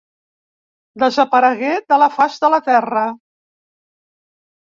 Desaparegué de la faç de la terra.